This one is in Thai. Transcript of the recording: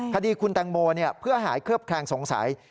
คดีคุณแตงโมเพื่อหายเคลือบแคลงสงสัย